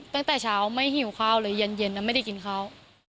ตั้งแต่เช้าไม่หิวข้าวเลยเย็นไม่ได้กินข้าว